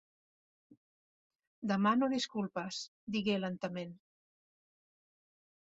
Demano disculpes, digué lentament.